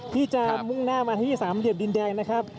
ที่จะมุ่งหน้ามาที่สามเหลี่ยมดินแดงนะครับ